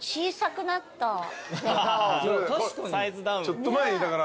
ちょっと前にだから。